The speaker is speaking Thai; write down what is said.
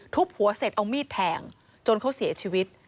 หัวเสร็จเอามีดแทงจนเขาเสียชีวิต